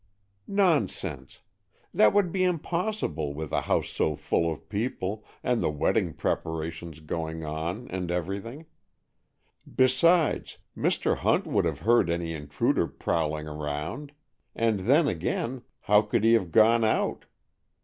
"Nonsense! That would be impossible, with a house so full of people, and the wedding preparations going on, and everything. Besides, Mr. Hunt would have heard any intruder prowling around; and then again, how could he have gone out?